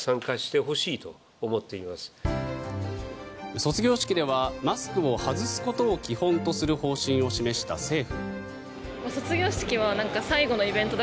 卒業式ではマスクを外すことを基本とする方針を示した政府。